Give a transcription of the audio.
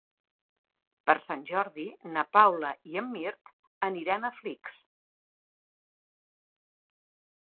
Per Sant Jordi na Paula i en Mirt aniran a Flix.